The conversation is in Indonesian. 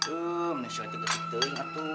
ini saya di tengah tuh